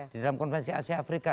di dalam konferensi asia afrika